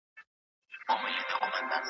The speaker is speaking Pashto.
ولي بايد ولاړ نسي ؟